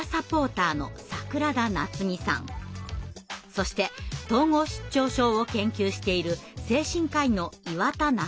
そして統合失調症を研究している精神科医の岩田仲生さんです。